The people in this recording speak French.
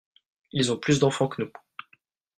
Ils ont plus d'enfants que nous.